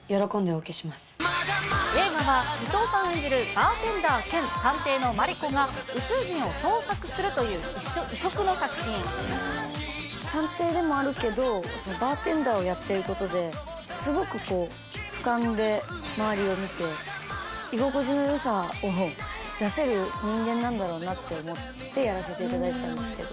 映画は、伊藤さん演じるバーテンダー兼探偵のマリコが宇宙人を捜索すると探偵でもあるけど、バーテンダーをやってることで、すごくこう、ふかんで周りを見て、居心地のよさを出せる人間なんだろうなって思ってやらせていただいてたんですけど。